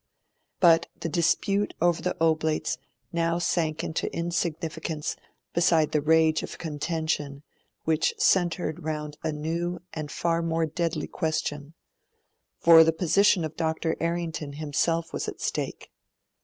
But the dispute over the Oblates now sank into insignificance beside the rage of contention which centred round a new and far more deadly question; for the position of Dr. Errington himself was at stake.